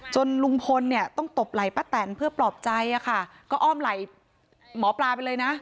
ลุงพลเนี่ยต้องตบไหล่ป้าแตนเพื่อปลอบใจอะค่ะก็อ้อมไหล่หมอปลาไปเลยนะ